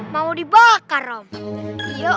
mau dibakar om ya om